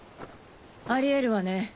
ありえるわね。